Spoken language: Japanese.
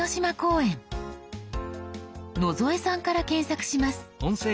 野添さんから検索します。